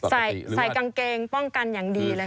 ใส่กางเกงป้องกันอย่างดีเลยค่ะ